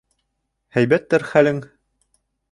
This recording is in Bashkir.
Һәйбәттер хәлең...